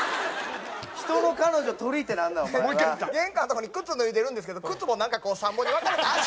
人の彼女鳥ってなんなんお前は。玄関のとこに靴脱いでるんですけど靴もなんかこう３本に分かれた足。